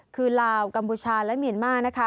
คือลาวกัมพูชาและเมียนม่า